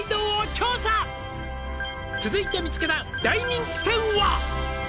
「続いて見つけた大人気店は？」